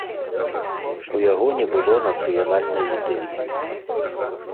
У яго не было нацыянальнай ідэі.